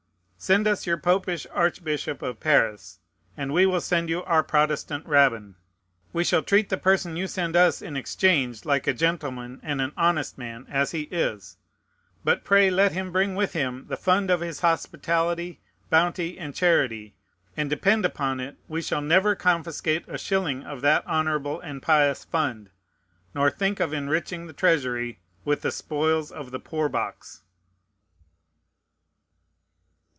Send us your Popish Archbishop of Paris, and we will send you our Protestant Rabbin. We shall treat the person you send us in exchange like a gentleman and an honest man, as he is: but pray let him bring with him the fund of his hospitality, bounty, and charity; and, depend upon it, we shall never confiscate a shilling of that honorable and pious fund, nor think of enriching the Treasury with the spoils of the poor box.